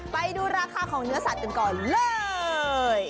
ไปดูราคาของเนื้อสัตว์กันก่อนเลย